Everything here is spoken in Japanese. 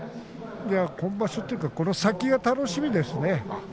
今場所というかこの先が楽しみですね。